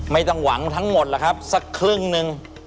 ไม่ต้องหวังทั้งหมดหรอกครับสักครึ่งหนึ่ง